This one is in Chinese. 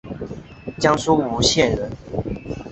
江苏吴县人。